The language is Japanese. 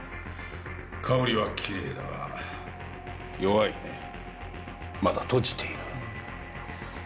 香りはきれいだが弱いねまだ閉じている。